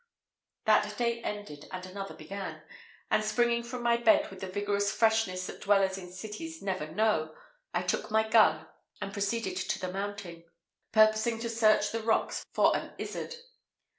That day ended, and another began, and, springing from my bed with the vigorous freshness that dwellers in cities never know, I took my gun, and proceeded to the mountain, purposing to search the rocks for an izzard.